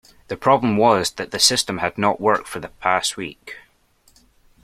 The problem was that the system had not worked for the past week